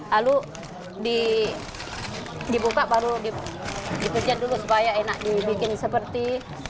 lalu dibuka baru dipecat dulu supaya enak dibikin seperti